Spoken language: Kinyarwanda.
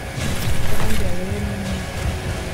y abandi baberewemo imyenda bose